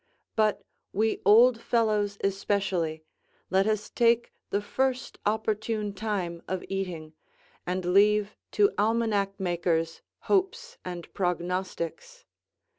But we old fellows especially, let us take the first opportune time of eating, and leave to almanac makers hopes and prognostics.